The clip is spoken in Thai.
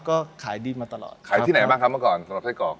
ก็ขายดีมาตลอดขายที่ไหนบ้างครับเมื่อก่อนสำหรับไส้กรอก